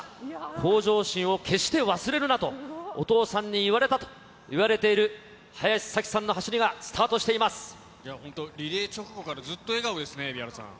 向上心を決して忘れるなと、お父さんに言われたと言われている林咲希さんの走りがスタートし本当、リレー直後からずっと笑顔ですね、蛯原さん。